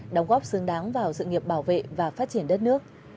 đóng góp xứng đáng vào sự nghiệp bảo vệ và phát triển đất nước